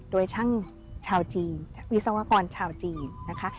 โดยช่างชาวจีนวิศวกรชาวจีนนะคะ